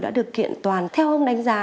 đã được kiện toàn theo ông đánh giá